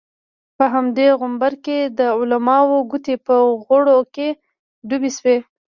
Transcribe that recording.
په همدې غومبر کې د علماوو ګوتې په غوړو کې ډوبې شوې.